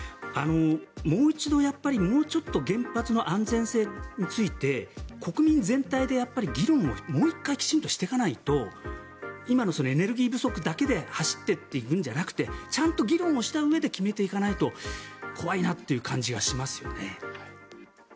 もう一度、原発の安全性について国民全体で議論をもう１回きちんとしていかないと今のエネルギー不足だけで走っていくんじゃなくてちゃんと議論したうえで決めていかないと怖いなという感じがしますよね。